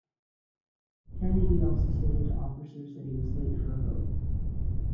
Kennedy also stated to officers that he was "late for a vote".